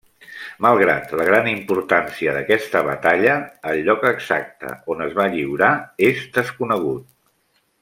Malgrat la gran importància d'aquesta batalla, el lloc exacte on es va lliurar és desconegut.